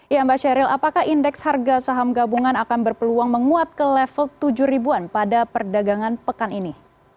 ya mbak sheryl apakah indeks harga saham gabungan akan berpeluang menguat ke level tujuh ribuan pada perdagangan pekan ini